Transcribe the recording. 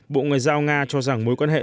bộ ngoại giao nga cho rằng mối quan hệ